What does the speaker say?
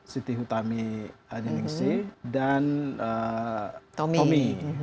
siti hutami adiningsi dan tommy